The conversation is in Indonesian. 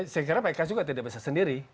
saya kira pks juga tidak bisa sendiri